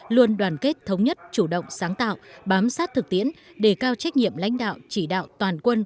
luôn đoàn kết thống nhất chủ động sáng tạo bám sát thực tiễn đề cao trách nhiệm lãnh đạo chỉ đạo toàn quân